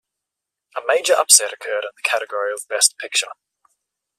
A major upset occurred in the category of Best Picture.